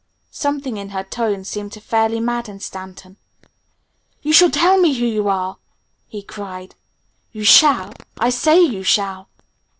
Something in her tone seemed to fairly madden Stanton. "You shall tell me who you are!" he cried. "You shall! I say you shall!"